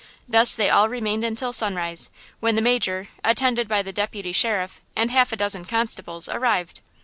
Thus they all remained until sunrise, when the Major, attended by the Deputy Sheriff and half a dozen constables, arrived.